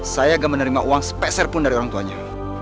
saya gak menerima uang sepeserpun dari orang tuanya